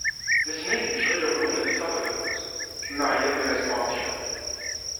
Dessinée avec une chevelure blonde et des formes avenantes, Mariette ne laisse pas indifférent.